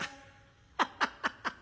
ハハハハ。